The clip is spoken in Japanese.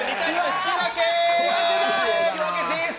引き分けです！